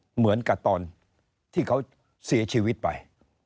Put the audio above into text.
เหมือนกับตอนที่เขาเสียชีวิตไป